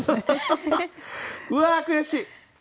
うわあ悔しい！